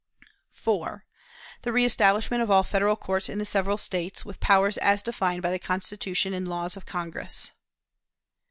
"4. The reestablishment of all Federal courts in the several States, with powers as defined by the Constitution and laws of Congress.